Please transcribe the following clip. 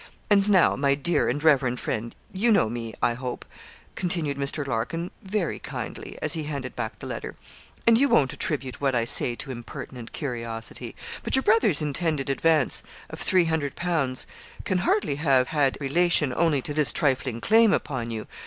And now, my dear and reverend friend, you know me, I hope,' continued Mr. Larkin, very kindly, as he handed back the letter; 'and you won't attribute what I say to impertinent curiosity; but your brother's intended advance of three hundred pounds can hardly have had relation only to this trifling claim upon you.